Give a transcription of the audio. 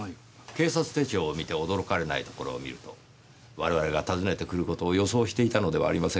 警察手帳を見て驚かれないところをみると我々が訪ねてくる事を予想していたのではありませんか？